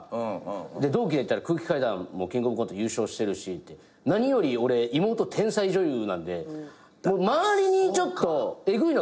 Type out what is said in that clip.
同期でいったら空気階段もキングオブコント優勝してるしって何より俺妹天才女優なんで周りにちょっとエグいのが多過ぎて。